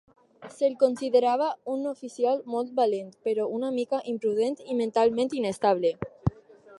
Se'l considerava un oficial molt valent, però una mica imprudent i mentalment inestable.